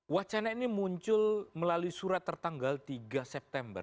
wacana ini muncul melalui surat tertanggal tiga september dua ribu sembilan belas